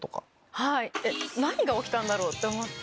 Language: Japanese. はい何が起きたんだろう？って思って。